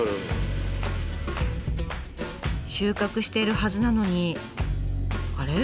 収穫しているはずなのにあれ？